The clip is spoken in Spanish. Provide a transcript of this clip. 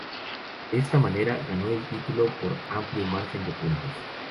De esta manera, ganó el título por amplio margen de puntos.